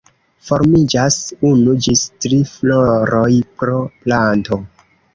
Formiĝas unu ĝis tri floroj pro planto.